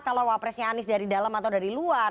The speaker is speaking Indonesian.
kalau wakil presidennya aniesi dari dalam atau dari luar